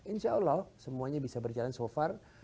insya allah semuanya bisa berjalan so far